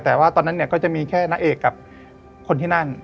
แต่ว่าตอนนั้นเนี่ยก็จะมีแค่นางเอกกับคนที่นั่น